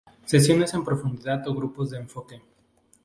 Sesiones en profundidad o grupos de enfoque.